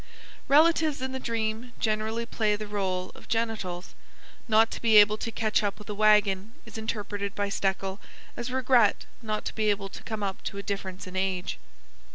Relatives in the dream generally play the rôle of genitals. Not to be able to catch up with a wagon is interpreted by Stekel as regret not to be able to come up to a difference in age.